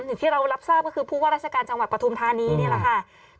อย่างที่เรารับทราบก็คือผู้ว่าราชการจังหวัดปฐุมธานีนี่แหละค่ะ